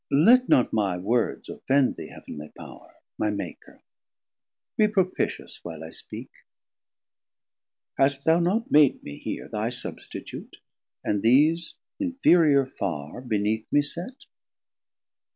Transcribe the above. Let not my words offend thee, Heav'nly Power, My Maker, be propitious while I speak. 380 Hast thou not made me here thy substitute, And these inferiour farr beneath me set?